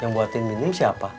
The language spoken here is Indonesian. yang buatin minum siapa